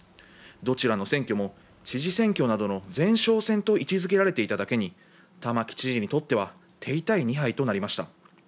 どちらの選挙も、知事選挙などの前哨戦と位置づけられていただけに、玉城知事にとっては手痛い２敗となりました。